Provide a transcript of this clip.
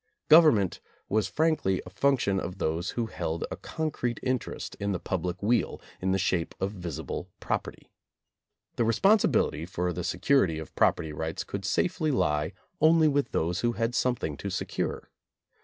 Govern ment was frankly a function of those who held a concrete interest in the public weal, in the shape of visible property. The responsibility for the se curity of property rights could safely lie only with those who had something to secure.